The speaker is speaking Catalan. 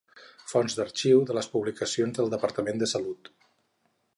Fons d'arxiu de les publicacions del Departament de Salut.